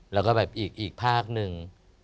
แล้วก็แบบอีกภาคหนึ่ง